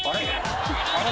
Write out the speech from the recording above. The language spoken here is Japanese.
あれ？